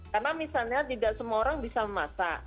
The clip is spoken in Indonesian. karena misalnya tidak semua orang bisa memasak